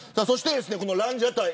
ランジャタイ